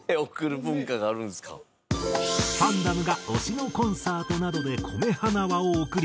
ファンダムが推しのコンサートなどで米花輪を贈り